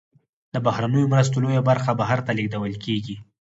د بهرنیو مرستو لویه برخه بهر ته لیږدول کیږي.